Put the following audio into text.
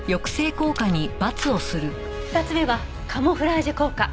２つ目はカモフラージュ効果。